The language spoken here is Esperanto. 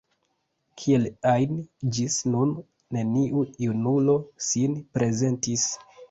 Kiel ajn, ĝis nun neniu junulo sin prezentis.